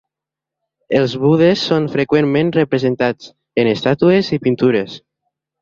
Els budes són freqüentment representats en estàtues i pintures.